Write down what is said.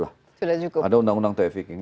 ada undang undang trafficking